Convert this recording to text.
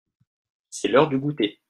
c'est l'heure du goûter.